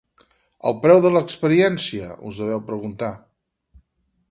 El preu de l’experiència, us deveu preguntar?